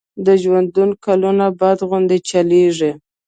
د ژوندون کلونه باد غوندي چلیږي